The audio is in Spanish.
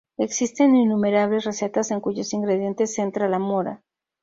Existen innumerables recetas en cuyos ingredientes entra la mora.